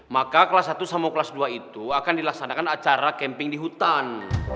maka kelas satu sama kelas dua itu akan dilaksanakan acara camping di hutan